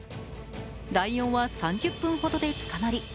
ライオンは３０分ほどで捕まり